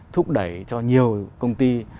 thúc đẩy cho nhiều công ty